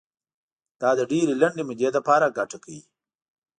دا د ډېرې لنډې مودې لپاره ګټه کوي.